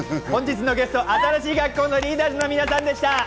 本日のゲスト、新しい学校のリーダーズの皆さんでした。